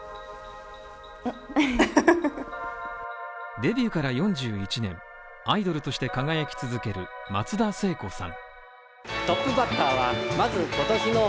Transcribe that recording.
デビューから４１年、アイドルとして輝き続ける松田聖子さん